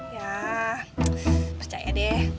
ya percaya deh